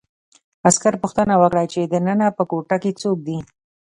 عسکر پوښتنه وکړه چې دننه په کوټه کې څوک دي